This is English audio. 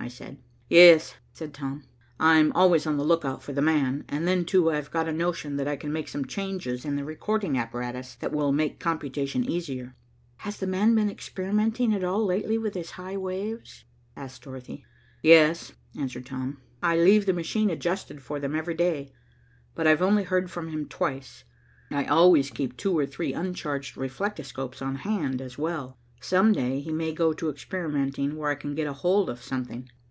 I said. "Yes," said Tom. "I'm always on the lookout for 'the man,' and then, too, I've got a notion that I can make some changes in the recording apparatus that will make computation easier." "Has the man been experimenting at all lately with his high waves?" asked Dorothy. "Yes," answered Tom. "I leave the machine adjusted for them every day, but I've only heard from him twice. I always keep two or three uncharged reflectoscopes on hand, as well. Some day he may go to experimenting where I can get hold of something."